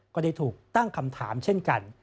ก็ได้ถูกตั้งคำถามเช่นกัน